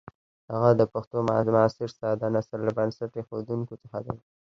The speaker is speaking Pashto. هغه د پښتو د معاصر ساده نثر له بنسټ ایښودونکو څخه دی.